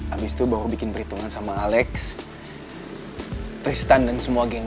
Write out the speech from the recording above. abis itu baru bikin perhitungan sama alex tristan dan semua geng